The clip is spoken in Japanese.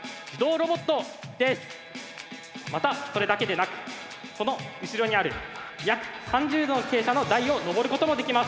またそれだけでなくこの後ろにある約３０度の傾斜の台を上ることもできます。